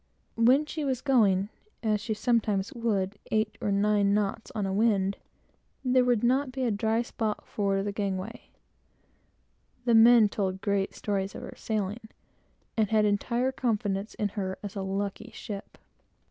When she was going, as she sometimes would, eight or nine knots on a wind, there would not be a dry spot forward of the gangway. The men told great stories of her sailing, and had great confidence in her as a "lucky ship."